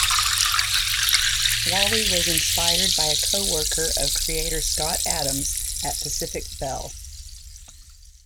Wally was inspired by a coworker of creator Scott Adams at Pacific Bell.